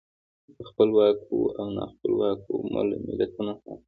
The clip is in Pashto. د خپلواکو او نا خپلواکو ملتونو حال.